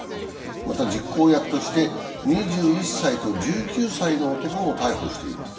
また、実行役として２１歳と１９歳の男も逮捕しています。